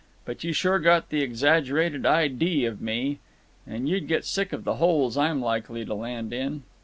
But you sure got the exaggerated idee of me. And you'd get sick of the holes I'm likely to land in."